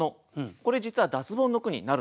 これ実は脱ボンの句になるんです。